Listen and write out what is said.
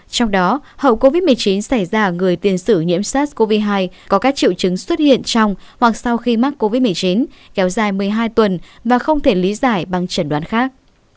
trong đó hậu covid một mươi chín xảy ra ở người tiền sử nhiễm sars cov hai có các triệu chứng xuất hiện trong hoặc sau khi mắc covid một mươi chín kéo dài một mươi hai tuần và không thể lý giải bằng chẩn đoán khác